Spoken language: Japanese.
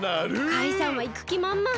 カイさんはいくきまんまん。